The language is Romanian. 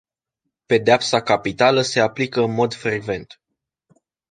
Pedeapsa capitală se aplică în mod frecvent.